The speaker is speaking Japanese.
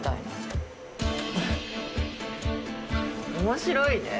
面白いね。